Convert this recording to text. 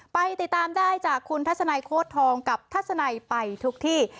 ไปติดตามได้จากคุณทัศนัยโค้ดทองกับทัศนัยไปทุกที่